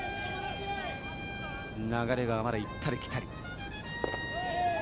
流れがまだ行ったり来たり。